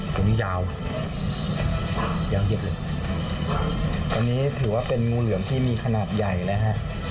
ตอนนี้ถือว่าเป็นงูเหลือมที่มีขนาดใหญ่นะฮะ